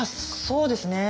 そうですね。